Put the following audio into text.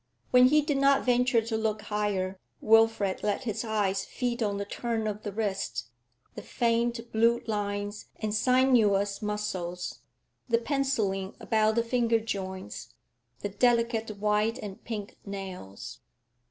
When he did not venture to look higher, Wilfrid let his eyes feed on the turn of the wrist, the faint blue lines and sinuous muscles, the pencilling about the finger joints, the delicate white and pink nails.